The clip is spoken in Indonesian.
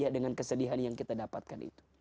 dengan kesedihan yang kita dapatkan itu